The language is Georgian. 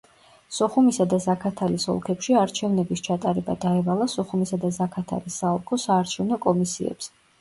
სოხუმისა და ზაქათალის ოლქებში არჩევნების ჩატარება დაევალა სოხუმისა და ზაქათალის საოლქო საარჩევნო კომისიებს.